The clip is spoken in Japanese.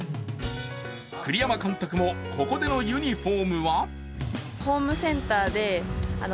栗山監督のここでのユニフォームは？